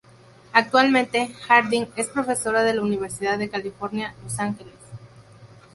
Actualmente, Harding es profesora en la Universidad de California, Los Ángeles.